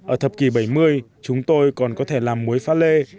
ở thập kỷ bảy mươi chúng tôi còn có thể làm muối phát lê